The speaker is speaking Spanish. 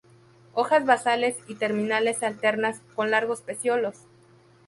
Hojas basales y terminales alternas con largos peciolos.